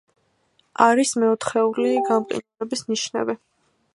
არის მეოთხეული გამყინვარების ნიშნები.